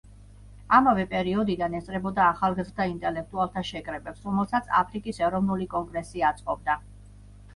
ამავე პერიოდიდან ესწრებოდა ახალგაზრდა ინტელექტუალთა შეკრებებს, რომელსაც აფრიკის ეროვნული კონგრესი აწყობდა.